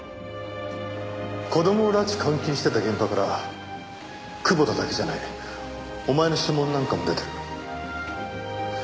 子供を拉致監禁してた現場から久保田だけじゃないお前の指紋なんかも出てる。